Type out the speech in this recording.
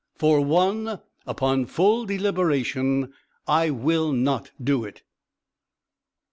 For one, upon full deliberation, I will not do it."